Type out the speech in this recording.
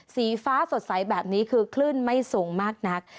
สีฟ้าสดใสแบบนี้คือคลื่นไม่สูงมากนัก